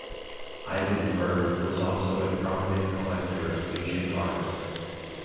Eilenberg was also a prominent collector of Asian art.